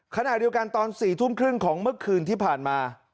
ขณะเดียวกันตอน๔ทุ่มครึ่งของเมื่อคืนที่ผ่านมา